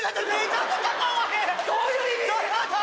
どういう意味？